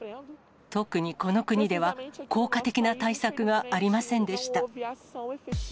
特にこの国では、効果的な対策がありませんでした。